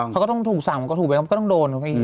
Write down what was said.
เขาก็ต้องถูกสั่งก็ถูกเวรเขาก็ต้องโดน